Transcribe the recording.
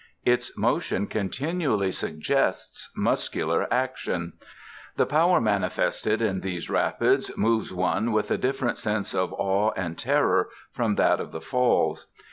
Its motion continually suggests muscular action. The power manifest in these rapids moves one with a different sense of awe and terror from that of the Falls.